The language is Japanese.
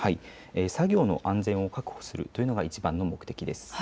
作業の安全を確保するというのがいちばんの目的です。